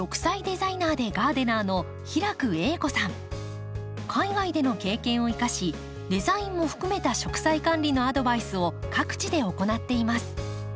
講師は海外での経験を生かしデザインも含めた植栽管理のアドバイスを各地で行っています。